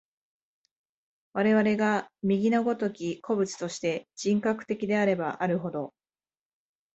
我々が右の如き個物として、人格的であればあるほど、